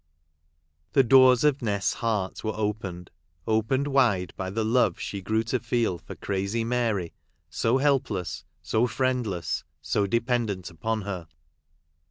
The doors of Nest's heart were opened — opened wide by the love she grew to feel for crazy Mary, so helpless, so friendless, so de pendent upon her.